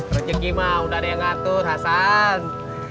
rejeki mah udah ada yang ngatur hasan